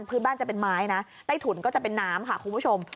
พื้นบ้านจะเป็นไม้นะใต้ถุนก็จะเป็นน้ำค่ะคุณผู้ชม